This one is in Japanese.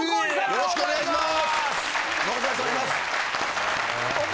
よろしくお願いします。